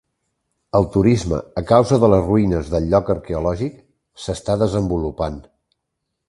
El turisme, a causa de les ruïnes del lloc arqueològic, s'està desenvolupant.